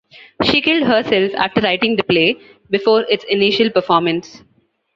She killed herself after writing the play, before its initial performance.